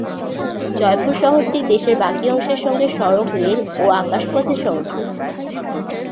জয়পুর শহরটি দেশের বাকি অংশের সঙ্গে সড়ক, রেল ও আকাশ পথে সংযুক্ত।